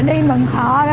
đi bậc họ đó